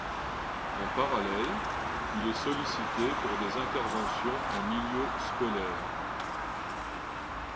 En parallèle, il est sollicité pour des interventions en milieu scolaire.